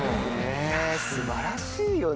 素晴らしいよね。